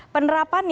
penerapan ya nanti